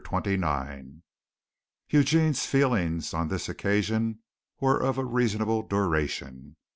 CHAPTER XXIX Eugene's feelings on this occasion were of reasonable duration.